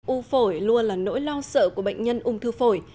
u phổi luôn là nỗi lo sợ của bệnh nhân ung thư phổi